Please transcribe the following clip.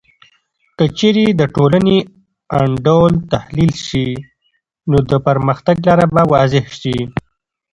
که چیرې د ټولنې انډول تحلیل سي، نو د پرمختګ لاره به واضح سي.